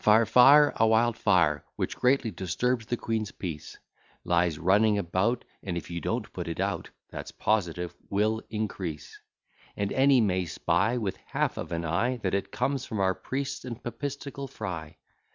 Fire! fire! a wild fire, Which greatly disturbs the queen's peace Lies running about; And if you don't put it out, ( That's positive) will increase: And any may spy, With half of an eye, That it comes from our priests and Papistical fry.